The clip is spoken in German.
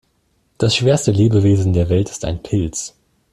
Das schwerste Lebewesen der Welt ist ein Pilz.